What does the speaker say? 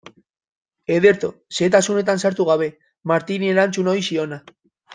Ederto, xehetasunetan sartu gabe, Martini erantzun ohi ziona.